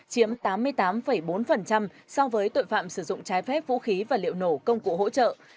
chiếm tám mươi tám bốn so với tội phạm sử dụng trái phép vũ khí và liệu nổ công cụ hỗ trợ